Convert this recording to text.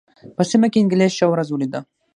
په سیمه کې انګلیس ښه ورځ ولېده.